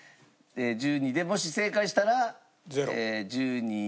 １２でもし正解したら１２。